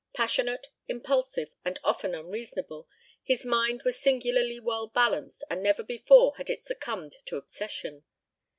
Passionate, impulsive, and often unreasonable, his mind was singularly well balanced and never before had it succumbed to obsession.